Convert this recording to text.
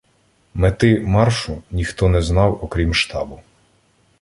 Мети маршу ніхто не знав, окрім штабу.